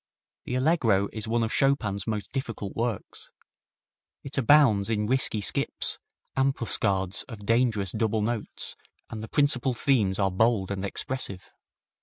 The Allegro is one of Chopin's most difficult works. It abounds in risky skips, ambuscades of dangerous double notes, and the principal themes are bold and expressive.